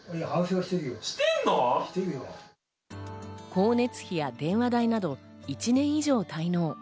光熱費や電話代など１年以上滞納。